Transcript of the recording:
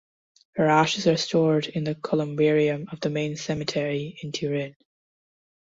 Her ashes are stored in the columbarium of the main cemetery in Turin.